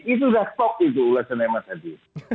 itu sudah top itu ulasan dari mas adi